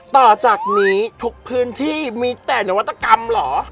ต่อจากนี้ทุกพื้นที่มีแต่นวัตกรรมเหรอ